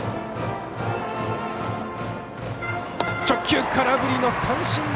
直球、空振りの三振！